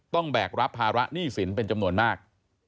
แบกรับภาระหนี้สินเป็นจำนวนมาก